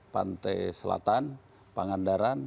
pantai selatan pangandaran